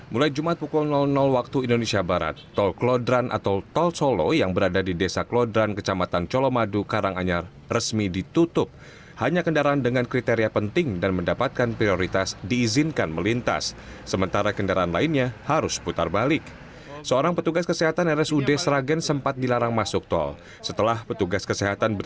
boleh boleh saya izin sama petugas dulu tapi